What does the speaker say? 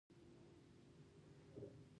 هر قبر یوه خاموشه کیسه ده.